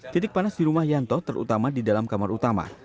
titik panas di rumah yanto terutama di dalam kamar utama